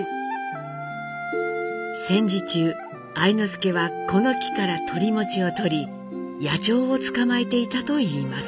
戦時中愛之助はこの木からトリモチを採り野鳥を捕まえていたといいます。